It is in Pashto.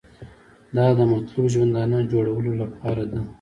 دا د مطلوب ژوندانه جوړولو لپاره ده.